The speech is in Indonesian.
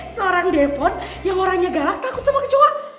seorang depot yang orangnya galak takut sama kecoa